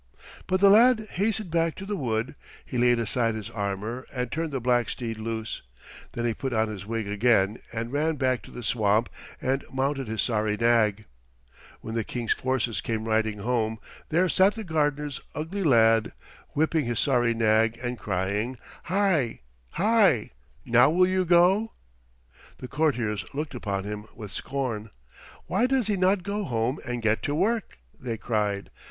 But the lad hastened back to the wood; he laid aside his armor and turned the black steed loose. Then he put on his wig again and ran back to the swamp and mounted the sorry nag. When the King's forces came riding home, there sat the gardener's ugly lad, whipping his sorry nag and crying "Hie! Hie! Now will you go?" The courtiers looked upon him with scorn. "Why does he not go home and get to work?" they cried.